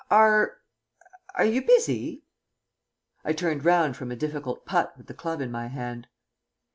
"Are are you busy?" I turned round from a difficult putt with the club in my hand.